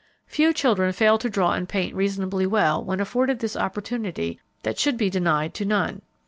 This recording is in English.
Few children fail to draw and paint reasonably well when afforded this opportunity that should be denied to none.